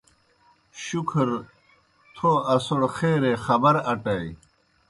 شُکھر تھو اسوْڑ خیرے خبر اٹَئے۔